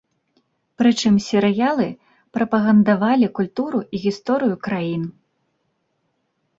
Прычым серыялы прапагандавалі культуру і гісторыю краін.